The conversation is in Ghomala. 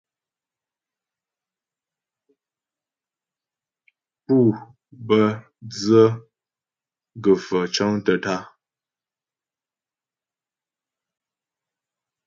Pú bə́ dzə gə̀faə̀ cəŋtə́ tǎ'a.